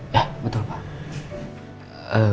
ya betul pak